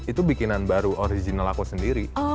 itu bikinan baru original aku sendiri